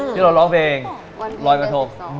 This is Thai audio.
ที่เราร้องเพลงรอยกระทบ